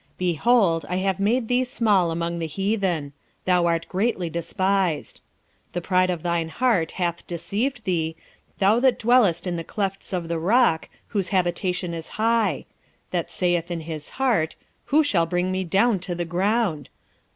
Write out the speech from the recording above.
1:2 Behold, I have made thee small among the heathen: thou art greatly despised. 1:3 The pride of thine heart hath deceived thee, thou that dwellest in the clefts of the rock, whose habitation is high; that saith in his heart, Who shall bring me down to the ground?